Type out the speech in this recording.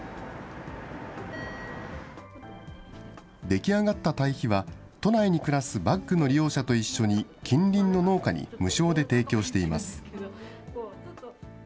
出来上がった堆肥は、都内に暮らすバッグの利用者と一緒に近隣の農家に無償で提供しています。